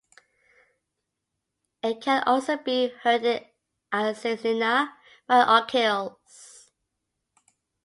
It can also be heard in "Asesina" by Okills.